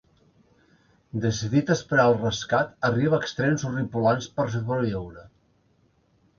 Decidit a esperar el rescat, arriba a extrems horripilants per sobreviure.